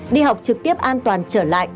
đi học trực tiếp an toàn trở lại